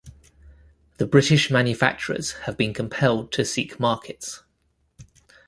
The British manufacturers have been compelled to seek markets.